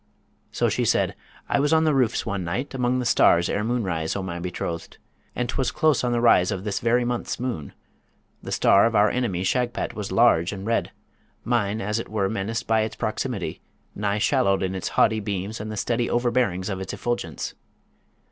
So she said, 'I was on the roofs one night among the stars ere moonrise, O my betrothed, and 'twas close on the rise of this very month's moon. The star of our enemy, Shagpat, was large and red, mine as it were menaced by its proximity, nigh swallowed in its haughty beams and the steady overbearings of its effulgence.